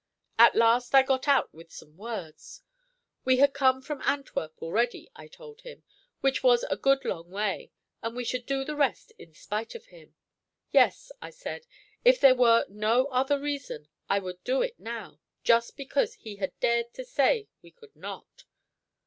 At last I got out with some words. We had come from Antwerp already, I told him, which was a good long way; and we should do the rest in spite of him. Yes, I said, if there were no other reason, I would do it now, just because he had dared to say we could not.